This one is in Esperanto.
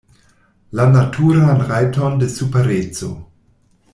La naturan rajton de supereco.